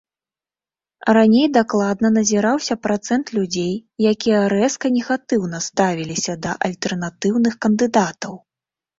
Раней дакладна назіраўся працэнт людзей, якія рэзка негатыўна ставіліся да альтэрнатыўных кандыдатаў.